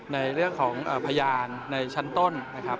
ในเรื่องของพยานในชั้นต้น